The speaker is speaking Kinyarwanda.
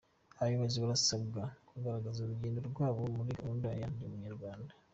Abayobozi barasabwa kugaragaza urugendo rwabo muri gahunda ya "Ndi Umunyarwanda".